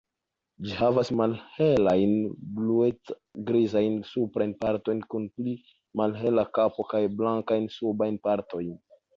Ĝi havas malhelajn, bluec-grizajn suprajn partojn kun pli malhela kapo, kaj blankajn subajn partojn.